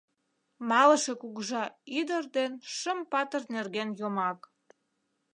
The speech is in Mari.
МАЛЫШЕ КУГЫЖА ӰДЫР ДЕН ШЫМ ПАТЫР НЕРГЕН ЙОМАК